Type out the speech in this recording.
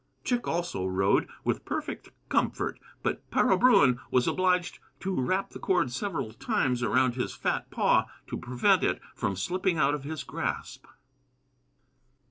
Chick also rode with perfect comfort, but Para Bruin was obliged to wrap the cord several times around his fat paw, to prevent it from slipping out of his grasp.